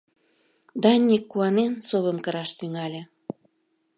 Даник, куанен, совым кыраш тӱҥале.